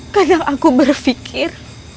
kadang aku berpikir